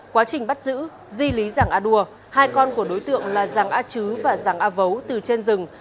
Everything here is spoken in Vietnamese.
quá trình bắt giữ di lý giàng a đua hai con của đối tượng là giàng a chứ và giàng a vấu từ trên rừng